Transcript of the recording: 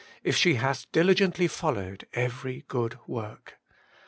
if she hath diligently follon'cd every good work.